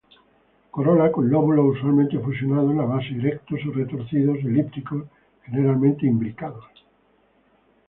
Corola con lóbulos usualmente fusionados en la base, erectos o retorcidos, elípticos, generalmente imbricados.